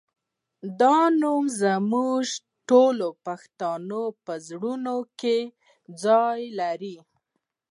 دا نوم زموږ د ټولو پښتنو په زړونو کې ځای لري